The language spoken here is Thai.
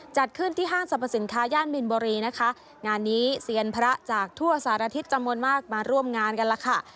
จัดขึ้นที่ห้างสรรพสินค้าย่านมินบุรีนะคะงานนี้เซียนพระจากทั่วสารทิศจำนวนมากมาร่วมงานกันแล้วค่ะ